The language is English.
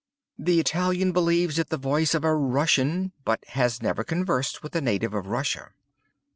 _' The Italian believes it the voice of a Russian, but '_has never conversed with a native of Russia.